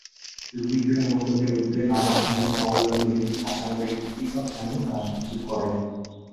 দুর্বৃত্তরা মণ্ডপের অদূরে নারায়ণপুর মহল্লার মেহেদি হাছানের একটি পিকআপ ভ্যানও ভাঙচুর করেন।